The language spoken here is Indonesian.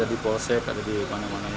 di polsek ada di mana mana